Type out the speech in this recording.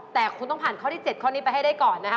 แต่คุณต้องผ่านข้อที่๗ข้อนี้ไปให้ได้ก่อนนะคะ